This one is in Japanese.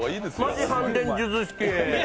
マジ反転術式。